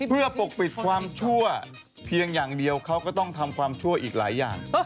เพื่อปกปิดความชั่วเพียงอย่างเดียวเขาก็ต้องทำความชั่วอีกหลายอย่าง